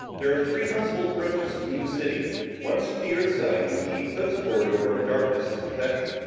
There are three possible approaches to Luna City. One is from the Earth side, using the eclipse corridor of darkness as protection.